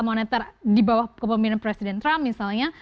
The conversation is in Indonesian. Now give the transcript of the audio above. moneter di bawah kepemimpinan presiden trump misalnya